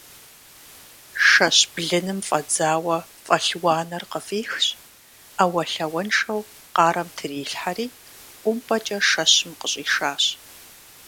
Шэщ блыным фӀэдзауэ фӀэлъ уанэр къыфӀихщ, Ӏэуэлъауэншэу къарэм трилъхьэри ӀумпӀэкӀэ шэщым къыщӀишащ.